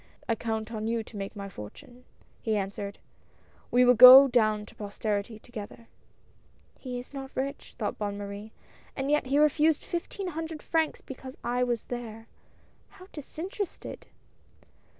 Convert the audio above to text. "I count on you to make my fortune," he answered. "We will go down to posterity together." " He is not rich," thought Bonne Marie, " and yet he refused fifteen hundred francs because I was there. How disinterested